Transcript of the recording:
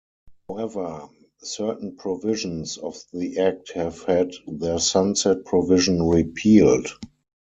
However, certain provisions of the Act have had their sunset provision repealed.